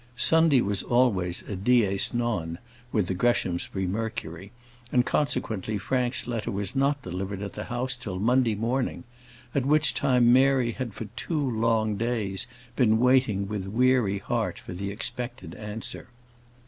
Sunday was always a dies non with the Greshamsbury Mercury, and, consequently, Frank's letter was not delivered at the house till Monday morning; at which time Mary had for two long days been waiting with weary heart for the expected answer.